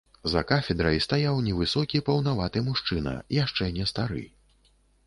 За кафедрай стаяў невысокі паўнаваты мужчына, яшчэ не стары.